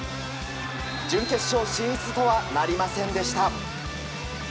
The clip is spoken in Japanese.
準決勝進出とはなりませんでした。